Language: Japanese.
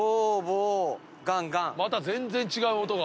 また全然違う音が。